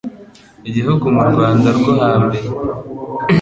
igihugu mu Rwanda rwo ha mbere.